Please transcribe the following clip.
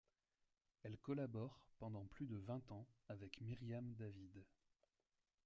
Elle collabore pendant plus de vingt ans avec Myriam David.